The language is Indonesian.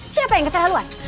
siapa yang keterlaluan